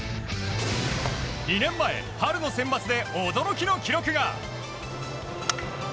２年前、春のセンバツで驚きの記録が。